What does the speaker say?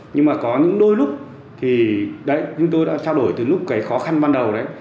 nhưng mà có những đôi lúc thì như tôi đã trao đổi từ lúc cái khó khăn ban đầu đấy